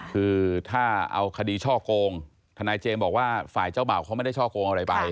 คือถ้าเอาคดีช่อโกงทนายเจมส์บอกว่าฝ่ายเจ้าบ่าวเขาไม่ได้ช่อโกงอะไรไป